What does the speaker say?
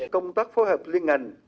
công tác phối hợp liên ngành